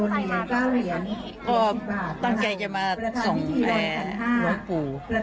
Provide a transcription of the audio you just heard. สิบโมงค่ะตั้งแกก็มาส่งแพงหลงขู